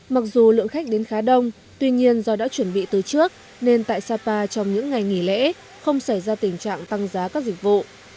mặc dù lượng khách đến khá đông tuy nhiên do đã chuẩn bị từ trước nên tại sapa trong những ngày nghỉ lễ không xảy ra tình trạng tăng giá các dịch vụ